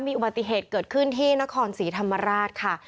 มีอุบัติเหตุเกิดขึ้นที่นครศรีธรรมราชค่ะ